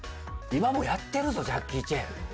今もやってるぞジャッキー・チェン。